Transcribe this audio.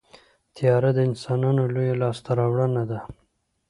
طیاره د انسانانو لویه لاسته راوړنه ده.